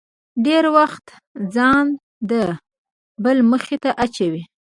ډېری وخت ځان د بلا مخې ته اچوي.